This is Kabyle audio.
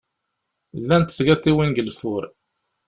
Llant tgaṭiwin deg lfur.